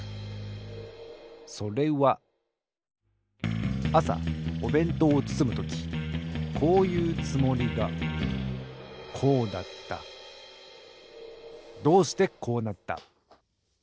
それはあさおべんとうをつつむときこういうつもりがこうだったどうしてこうなった？